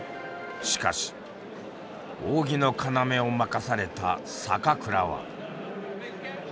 しかし扇の要を任された坂倉は。